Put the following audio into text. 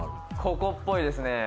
「ここっぽいですね」